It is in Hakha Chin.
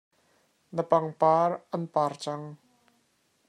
Na pangpar an par cang.